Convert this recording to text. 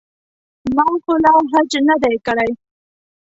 ما خو لا حج نه دی کړی.